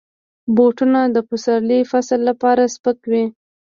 بوټونه د پسرلي فصل لپاره سپک وي.